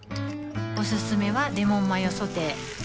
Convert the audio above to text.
おすすめはレモンマヨソテー